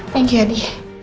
thank you adi